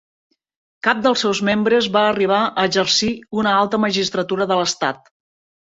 Cap dels seus membres va arribar a exercir una alta magistratura de l'estat.